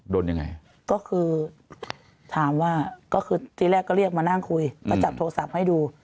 โดนยังไงก็คือถามว่าก็คือที่แรกก็เรียกมานั่งคุยก็จับโทรศัพท์ให้ดู